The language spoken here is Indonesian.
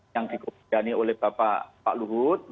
yang dikompiani oleh bapak pak luhut